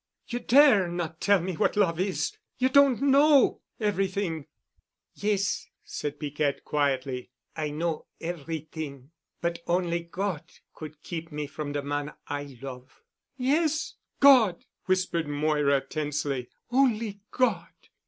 "You dare not tell me what love is. You don't know—everything." "Yes," said Piquette quietly. "I know everyt'ing. But only God could keep me from de man I love." "Yes, God!" whispered Moira tensely. "Only God."